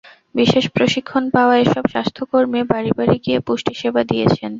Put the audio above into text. বিশেষ প্রশিক্ষণ পাওয়া এসব স্বাস্থ্যকর্মী বাড়ি বাড়ি গিয়ে পুষ্টি সেবা দিয়েছেন।